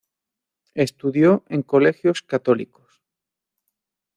Estudió en colegios católicos.